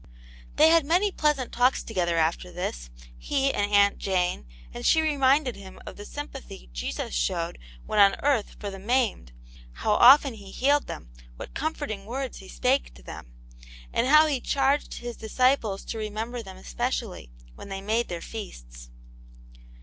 They had many pleasant talks together after this, he and Aunt Jane, and she had reminded him of the sympathy Jesus showed when on earth for the "maimed," how often he healed them, what com forting words he spake to them, and how He charged His disciples to remember them especially, when they made their feasts.